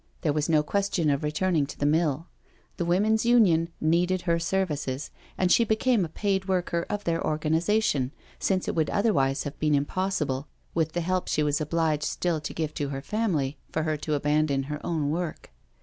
There was no question of returning to the mill. The Women's Union needed her services, and she became a paid worker of their organisation, since it would othervise have been impossible, with the help she was obliged still jto give to her family, for her to abandon her own work.